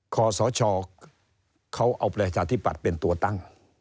คศเขาเอาประชาธิบัติเป็นตัวตั้ง